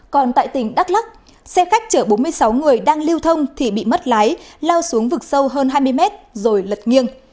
còn tại tỉnh đắk lắc xe khách chở bốn mươi sáu người đang lưu thông thì bị mất lái lao xuống vực sâu hơn hai mươi mét rồi lật nghiêng